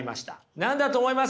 何だと思います？